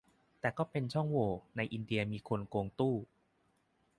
แต่ก็เป็นช่องโหว่ - ในอินเดียมีคนโกงตู้